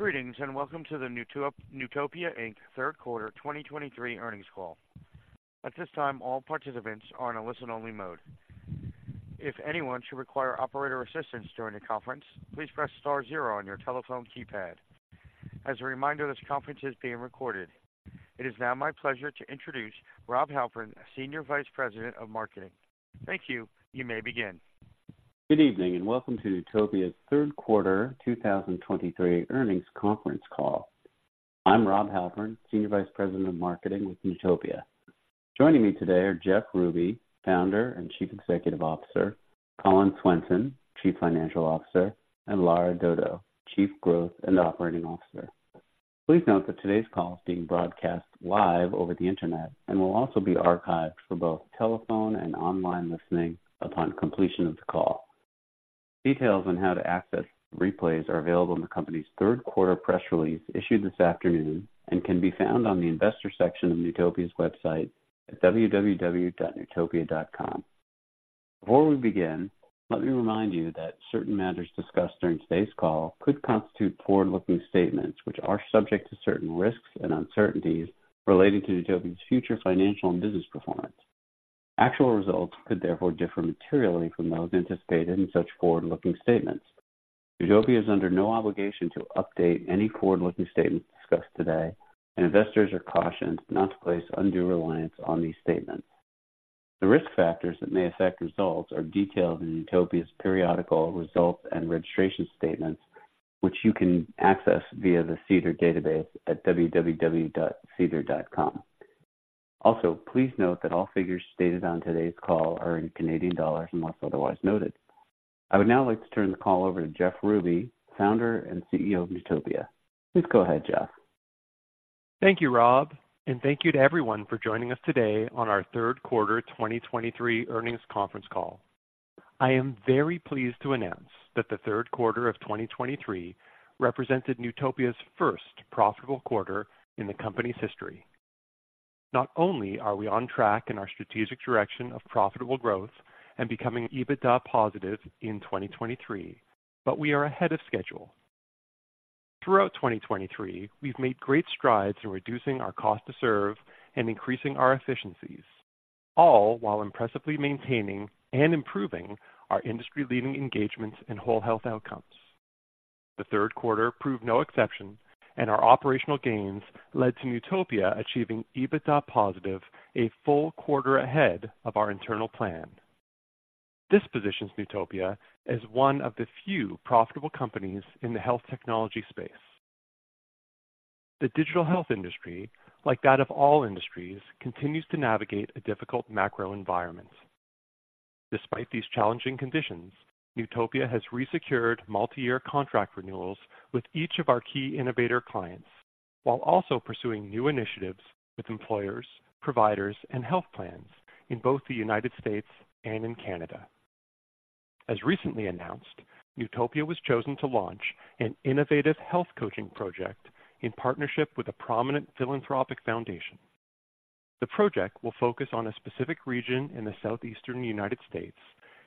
Greetings, and welcome to the Newtopia Inc. third quarter 2023 earnings call. At this time, all participants are in a listen-only mode. If anyone should require operator assistance during the conference, please press star zero on your telephone keypad. As a reminder, this conference is being recorded. It is now my pleasure to introduce Rob Halpern, Senior Vice President of Marketing. Thank you. You may begin. Good evening, and welcome to Newtopia's third quarter 2023 earnings conference call. I'm Rob Halpern, Senior Vice President of Marketing with Newtopia. Joining me today are Jeff Ruby, Founder and Chief Executive Officer; Collin Swenson, Chief Financial Officer; and Lara Dodo, Chief Growth and Operating Officer. Please note that today's call is being broadcast live over the Internet and will also be archived for both telephone and online listening upon completion of the call. Details on how to access replays are available in the company's third quarter press release, issued this afternoon, and can be found on the investor section of Newtopia's website at www.newtopia.com. Before we begin, let me remind you that certain matters discussed during today's call could constitute forward-looking statements, which are subject to certain risks and uncertainties relating to Newtopia's future financial and business performance. Actual results could therefore differ materially from those anticipated in such forward-looking statements. Newtopia is under no obligation to update any forward-looking statements discussed today, and investors are cautioned not to place undue reliance on these statements. The risk factors that may affect results are detailed in Newtopia's periodic results and registration statements, which you can access via the SEDAR database at www.sedar.com. Also, please note that all figures stated on today's call are in Canadian dollars unless otherwise noted. I would now like to turn the call over to Jeff Ruby, Founder and CEO of Newtopia. Please go ahead, Jeff. Thank you, Rob, and thank you to everyone for joining us today on our third quarter 2023 earnings conference call. I am very pleased to announce that the third quarter of 2023 represented Newtopia's first profitable quarter in the company's history. Not only are we on track in our strategic direction of profitable growth and becoming EBITDA positive in 2023, but we are ahead of schedule. Throughout 2023, we've made great strides in reducing our cost to serve and increasing our efficiencies, all while impressively maintaining and improving our industry-leading engagements and whole health outcomes. The third quarter proved no exception, and our operational gains led to Newtopia achieving EBITDA positive a full quarter ahead of our internal plan. This positions Newtopia as one of the few profitable companies in the health technology space. The digital health industry, like that of all industries, continues to navigate a difficult macro environment. Despite these challenging conditions, Newtopia has resecured multi-year contract renewals with each of our key innovator clients, while also pursuing new initiatives with employers, providers, and health plans in both the United States and in Canada. As recently announced, Newtopia was chosen to launch an innovative health coaching project in partnership with a prominent philanthropic foundation. The project will focus on a specific region in the southeastern United States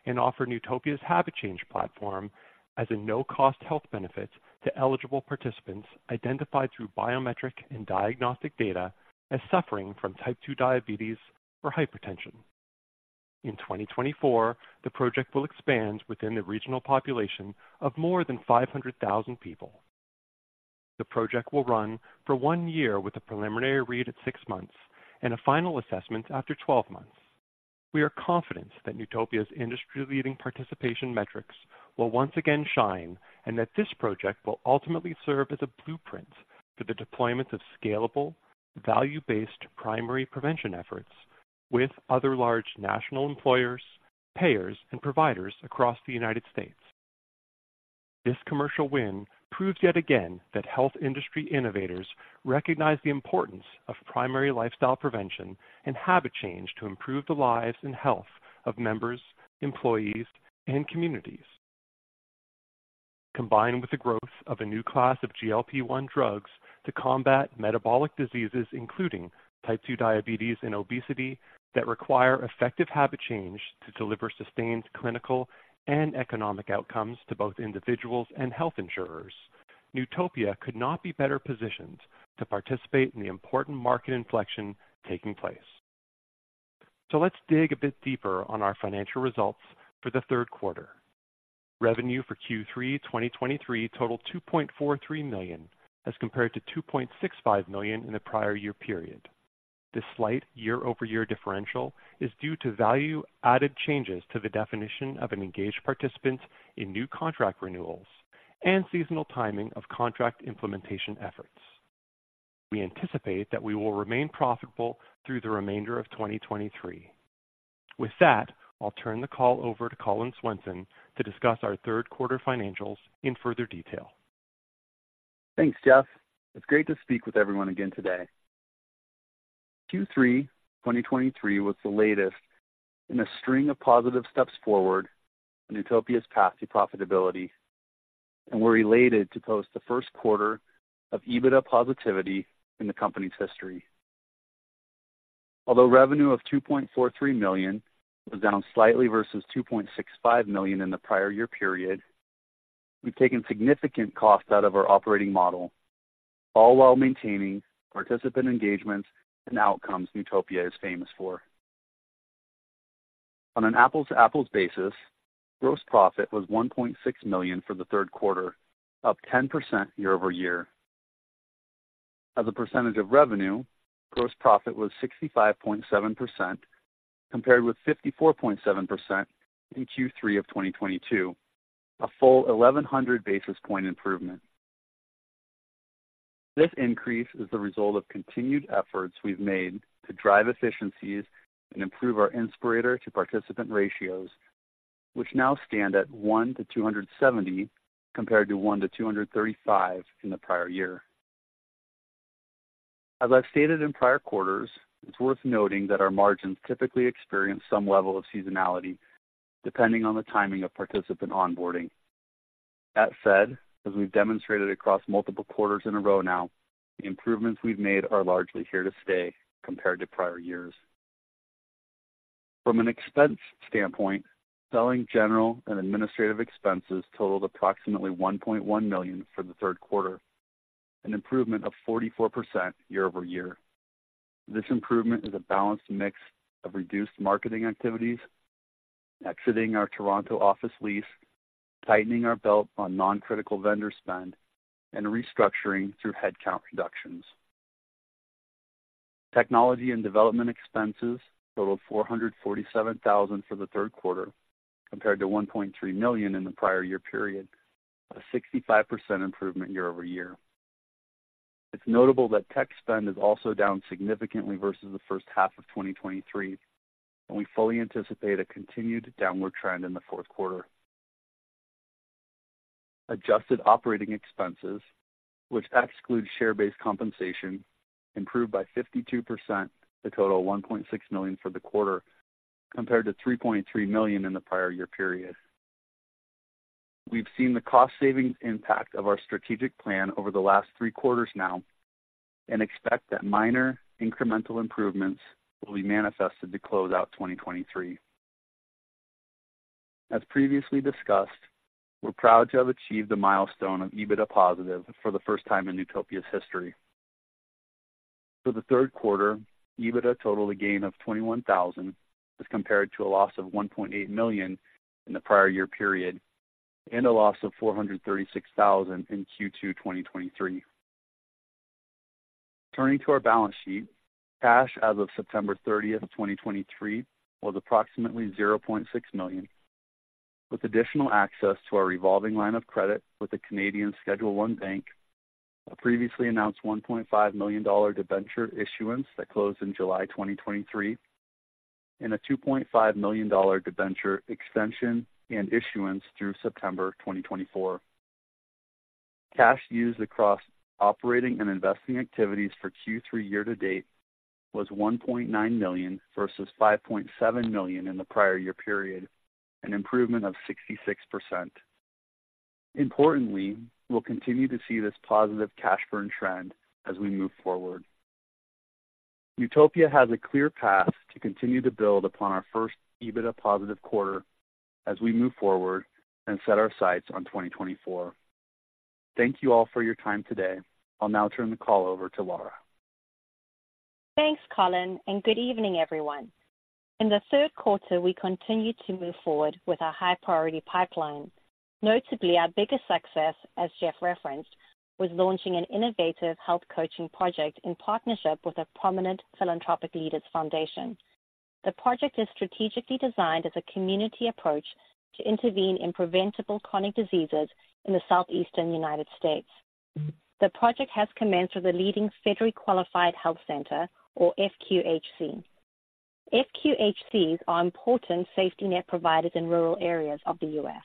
and offer Newtopia's habit change platform as a no-cost health benefit to eligible participants identified through biometric and diagnostic data as suffering from type 2 diabetes or hypertension. In 2024, the project will expand within the regional population of more than 500,000 people. The project will run for one year with a preliminary read at six months and a final assessment after 12 months. We are confident that Newtopia's industry-leading participation metrics will once again shine, and that this project will ultimately serve as a blueprint for the deployment of scalable, value-based primary prevention efforts with other large national employers, payers, and providers across the United States. This commercial win proves yet again that health industry innovators recognize the importance of primary lifestyle prevention and habit change to improve the lives and health of members, employees, and communities. Combined with the growth of a new class of GLP-1 drugs to combat metabolic diseases, including type 2 diabetes and obesity, that require effective habit change to deliver sustained clinical and economic outcomes to both individuals and health insurers, Newtopia could not be better positioned to participate in the important market inflection taking place. So let's dig a bit deeper on our financial results for the third quarter. Revenue for Q3 2023 totaled 2.43 million, as compared to 2.65 million in the prior year period. This slight year-over-year differential is due to value-added changes to the definition of an engaged participant in new contract renewals and seasonal timing of contract implementation efforts. We anticipate that we will remain profitable through the remainder of 2023. With that, I'll turn the call over to Collin Swenson to discuss our third quarter financials in further detail. Thanks, Jeff. It's great to speak with everyone again today. Q3 2023 was the latest in a string of positive steps forward on Newtopia's path to profitability, and we're elated to post the first quarter of EBITDA positivity in the company's history.... Although revenue of 2.43 million was down slightly versus 2.65 million in the prior year period, we've taken significant costs out of our operating model, all while maintaining participant engagements and outcomes Newtopia is famous for. On an apples-to-apples basis, gross profit was 1.6 million for the third quarter, up 10% year-over-year. As a percentage of revenue, gross profit was 65.7%, compared with 54.7% in Q3 of 2022, a full 1100 basis point improvement. This increase is the result of continued efforts we've made to drive efficiencies and improve our Inspirator to participant ratios, which now stand at 1 to 270, compared to 1 to 235 in the prior year. As I've stated in prior quarters, it's worth noting that our margins typically experience some level of seasonality, depending on the timing of participant onboarding. That said, as we've demonstrated across multiple quarters in a row now, the improvements we've made are largely here to stay compared to prior years. From an expense standpoint, selling general and administrative expenses totaled approximately 1.1 million for the third quarter, an improvement of 44% year-over-year. This improvement is a balanced mix of reduced marketing activities, exiting our Toronto office lease, tightening our belt on non-critical vendor spend, and restructuring through headcount reductions. Technology and development expenses totaled 447,000 for the third quarter, compared to 1.3 million in the prior year period, a 65% improvement year-over-year. It's notable that tech spend is also down significantly versus the first half of 2023, and we fully anticipate a continued downward trend in the fourth quarter. Adjusted operating expenses, which exclude share-based compensation, improved by 52% to total 1.6 million for the quarter, compared to 3.3 million in the prior year period. We've seen the cost savings impact of our strategic plan over the last 3 quarters now and expect that minor incremental improvements will be manifested to close out 2023. As previously discussed, we're proud to have achieved the milestone of EBITDA positive for the first time in Newtopia's history. For the third quarter, EBITDA totaled a gain of 21,000 as compared to a loss of 1.8 million in the prior year period and a loss of 436,000 in Q2 2023. Turning to our balance sheet, cash as of September 30, 2023, was approximately 0.6 million, with additional access to our revolving line of credit with a Canadian Schedule I bank, a previously announced 1.5 million dollar debenture issuance that closed in July 2023, and a 2.5 million dollar debenture extension and issuance through September 2024. Cash used across operating and investing activities for Q3 year to date was 1.9 million versus 5.7 million in the prior year period, an improvement of 66%. Importantly, we'll continue to see this positive cash burn trend as we move forward. Newtopia has a clear path to continue to build upon our first EBITDA positive quarter as we move forward and set our sights on 2024. Thank you all for your time today. I'll now turn the call over to Lara. Thanks, Collin, and good evening, everyone. In the third quarter, we continued to move forward with our high priority pipeline. Notably, our biggest success, as Jeff referenced, was launching an innovative health coaching project in partnership with a prominent Philanthropic Leaders Foundation. The project is strategically designed as a community approach to intervene in preventable chronic diseases in the southeastern United States. The project has commenced with a leading Federally Qualified Health Center, or FQHC. FQHCs are important safety net providers in rural areas of the US.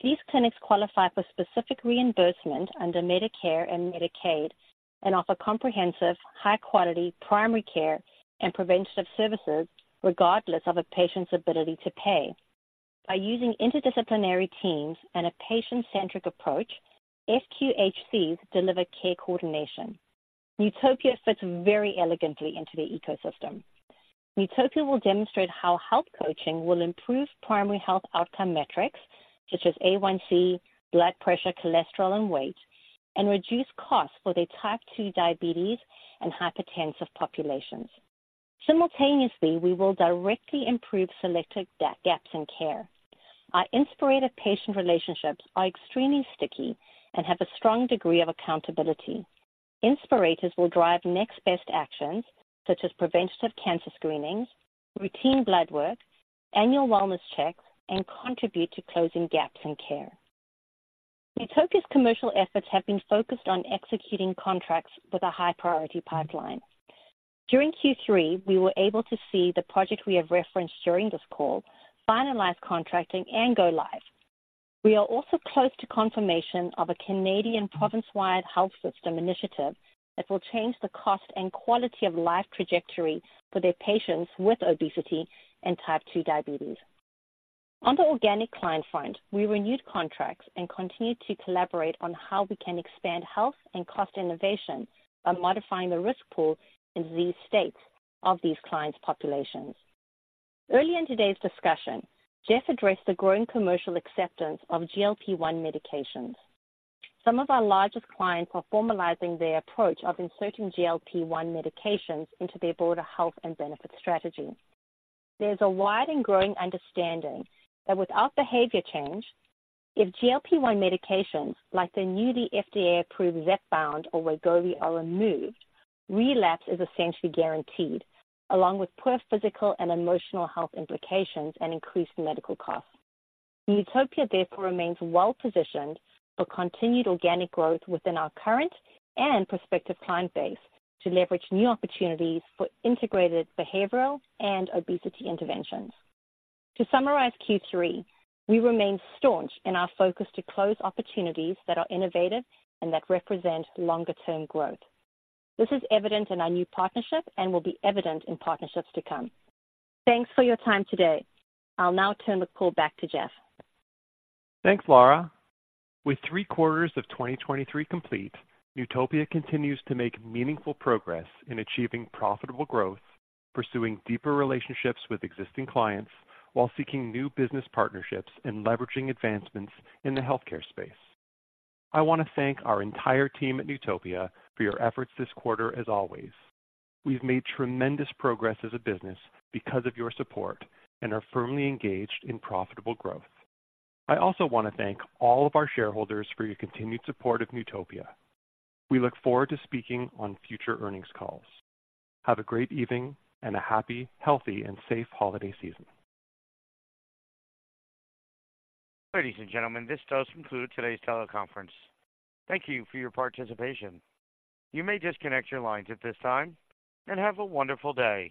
These clinics qualify for specific reimbursement under Medicare and Medicaid and offer comprehensive, high-quality primary care and preventative services, regardless of a patient's ability to pay. By using interdisciplinary teams and a patient-centric approach, FQHCs deliver care coordination. Newtopia fits very elegantly into the ecosystem. Newtopia will demonstrate how health coaching will improve primary health outcome metrics such as A1C, blood pressure, cholesterol, and weight, and reduce costs for their type 2 diabetes and hypertensive populations. Simultaneously, we will directly improve selected data gaps in care. Our Inspirator patient relationships are extremely sticky and have a strong degree of accountability. Inspirators will drive next best actions such as preventative cancer screenings, routine blood work, annual wellness checks, and contribute to closing gaps in care. Newtopia's commercial efforts have been focused on executing contracts with a high priority pipeline. During Q3, we were able to see the project we have referenced during this call, finalize contracting and go live. We are also close to confirmation of a Canadian province-wide health system initiative that will change the cost and quality of life trajectory for their patients with obesity and type 2 diabetes. On the organic client front, we renewed contracts and continued to collaborate on how we can expand health and cost innovation by modifying the risk pool in these states of these clients' populations. Early in today's discussion, Jeff addressed the growing commercial acceptance of GLP-1 medications. Some of our largest clients are formalizing their approach of inserting GLP-1 medications into their broader health and benefit strategy. There's a wide and growing understanding that without behavior change, if GLP-1 medications, like the newly FDA-approved Zepbound or Wegovy, are removed, relapse is essentially guaranteed, along with poor physical and emotional health implications and increased medical costs. Newtopia therefore remains well positioned for continued organic growth within our current and prospective client base to leverage new opportunities for integrated behavioral and obesity interventions. To summarize Q3, we remain staunch in our focus to close opportunities that are innovative and that represent longer term growth. This is evident in our new partnership and will be evident in partnerships to come. Thanks for your time today. I'll now turn the call back to Jeff. Thanks, Lara. With three quarters of 2023 complete, Newtopia continues to make meaningful progress in achieving profitable growth, pursuing deeper relationships with existing clients, while seeking new business partnerships and leveraging advancements in the healthcare space. I want to thank our entire team at Newtopia for your efforts this quarter as always. We've made tremendous progress as a business because of your support and are firmly engaged in profitable growth. I also want to thank all of our shareholders for your continued support of Newtopia. We look forward to speaking on future earnings calls. Have a great evening and a happy, healthy, and safe holiday season. Ladies and gentlemen, this does conclude today's teleconference. Thank you for your participation. You may disconnect your lines at this time, and have a wonderful day.